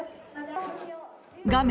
画面